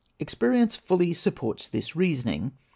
Experience fully supports this reasoning.